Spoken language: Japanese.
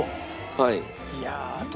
はい。